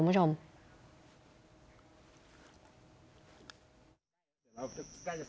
แม่น้องชมพู่